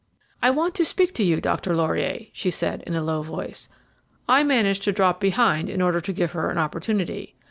"'I want to speak to you, Dr. Laurier,' she said in a low voice. "I managed to drop behind in order to give her an opportunity.